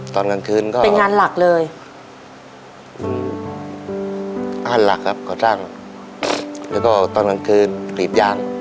ตอนนี้เราทำงานอะไรบ้าง